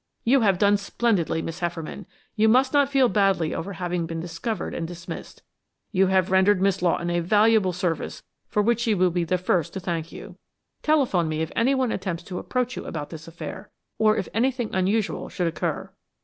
You have done splendidly, Miss Hefferman. You must not feel badly over having been discovered and dismissed. You have rendered Miss Lawton a valuable service for which she will be the first to thank you. Telephone me if anyone attempts to approach you about this affair, or if anything unusual should occur."